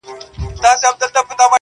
ږغېدی په څو څو ژبو د پېریانو؛